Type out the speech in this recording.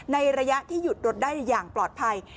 ในระยะที่หยุดรถได้อย่างปลอดภัย